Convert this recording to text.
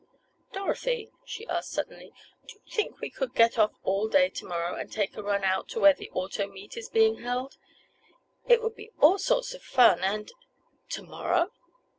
"Dorothy," she asked suddenly, "do you think we could get off all day to morrow and take a run out to where the auto meet is being held? It would be all sorts of fun and—" "To morrow?"